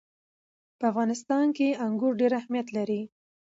په افغانستان کې انګور ډېر اهمیت لري.